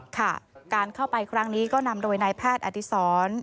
ค่ะการเข้าไปครั้งนี้ก็นำโดยนายแพทย์อดีศร